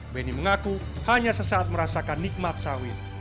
beni mengaku hanya sesaat merasakan nikmat sawit